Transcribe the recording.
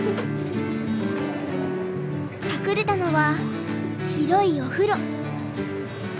隠れたのは広いお風呂。